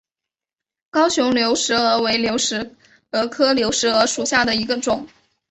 高雄流石蛾为流石蛾科流石蛾属下的一个种。